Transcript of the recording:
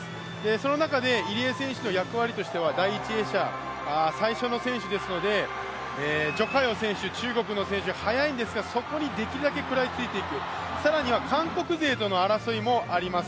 その中で入江選手の役割としては第一泳者、最初の選手ですので、徐嘉余選手、中国の選手、速いんですが、そこにできるだけ食らいついていく更には韓国勢との争いもあります。